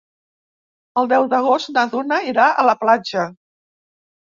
El deu d'agost na Duna irà a la platja.